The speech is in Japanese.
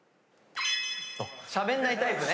しゃべんないタイプね。